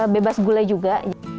bebas gula juga